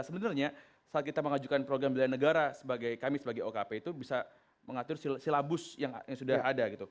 sebenarnya saat kita mengajukan program bila negara kami sebagai okp itu bisa mengatur silabus yang sudah ada